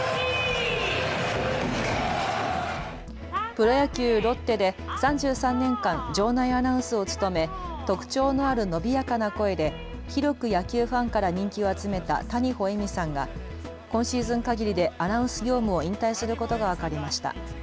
プロ野球・ロッテで３３年間、場内アナウンスを務め特徴のある伸びやかな声で広く野球ファンから人気を集めた谷保恵美さんが今シーズンかぎりでアナウンス業務を引退することが分かりました。